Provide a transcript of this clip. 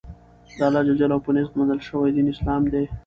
دالله ج په نزد منل شوى دين اسلام دى.